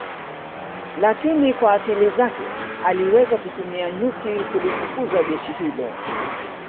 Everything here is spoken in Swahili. lakini kwa akili zake aliweza kutumia nyuki kulifukuza jeshi hilo